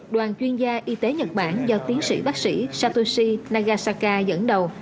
đoàn chuyên gia y tế nhật bản do tiến sĩ bác sĩ satoshi nagasaka dẫn đầu